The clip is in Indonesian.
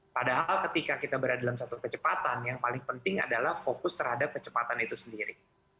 padahal ketika kita berada dalam satu kecepatan yang paling penting adalah fokus terhadap kecepatan itu sendiri